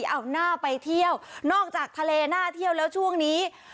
เอาน่าไปเที่ยวนอกจากทะเลน่าเที่ยวแล้วช่วงนี้